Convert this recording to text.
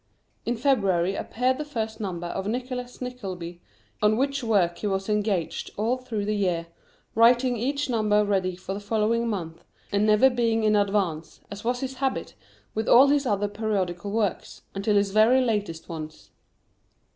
In February appeared the first number of "Nicholas Nickleby," on which work he was engaged all through the year, writing each number ready for the following month, and never being in advance, as was his habit with all his other periodical works, until his very latest ones.